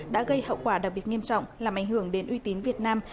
đã gây hậu quả đặc biệt nghiêm trọng làm ảnh hưởng đến uy tín việt nam